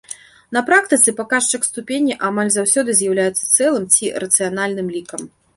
На практыцы паказчык ступені амаль заўсёды з'яўляецца цэлым ці рацыянальным лікам.